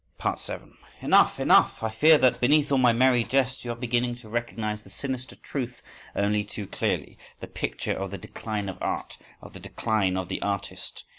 7. Enough! Enough! I fear that, beneath all my merry jests, you are beginning to recognise the sinister truth only too clearly—the picture of the decline of art, of the decline of the artist.